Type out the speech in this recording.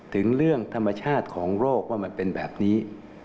ถึงเรื่องธรรมชาติของโรคว่ามันเป็นแบบนี้